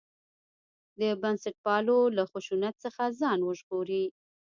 د بنسټپالو له خشونت څخه ځان وژغوري.